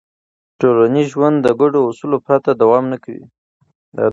ټولنیز ژوند د ګډو اصولو پرته نه دوام کوي.